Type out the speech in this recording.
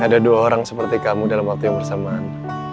ada dua orang seperti kamu dalam waktu yang bersamaan